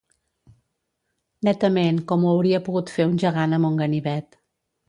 Netament com ho hauria pogut fer un gegant amb un ganivet.